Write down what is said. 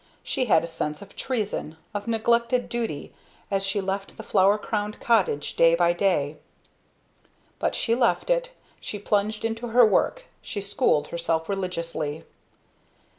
She had a sense of treason, of neglected duty, as she left the flower crowned cottage, day by day. But she left it, she plunged into her work, she schooled herself religiously.